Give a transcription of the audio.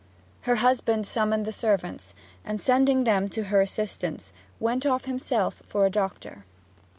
Her husband summoned the servants, and, sending them to her assistance, went off himself for a doctor.